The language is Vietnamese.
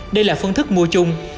đây là phương thức mua chung